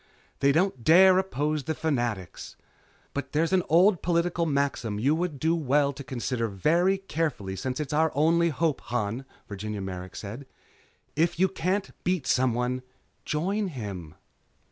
They don't dare oppose the Fanatics. But there's an old political maxim you would do well to consider very carefully since it's our only hope, Han," Virginia Merrick said, "'If you can't beat someone join him.'"